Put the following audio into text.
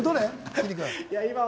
きんに君。